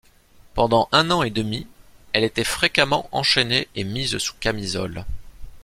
Pendant un an et demi elle était fréquemment enchainée et mise sous camisole.